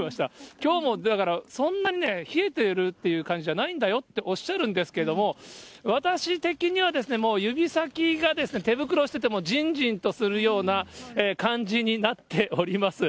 きょうもだから、そんなにね、冷えてるっていう感じじゃないんだよっておっしゃるんですけれども、私的にはですね、もう、指先が手袋してても、じんじんとするような感じになっております。